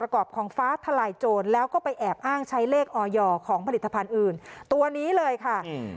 ของผลิตภัณฑ์อื่นตัวนี้เลยค่ะ